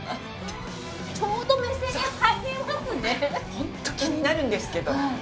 ホント気になるんですけど。